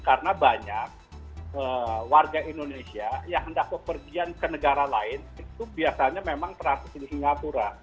karena banyak warga indonesia yang hendak kepergian ke negara lain itu biasanya memang transit di singapura